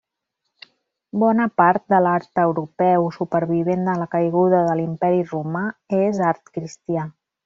Bona part de l'art europeu supervivent a la caiguda de l'Imperi romà és art cristià.